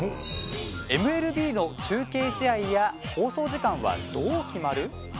ＭＬＢの中継試合や放送時間は、どう決まる？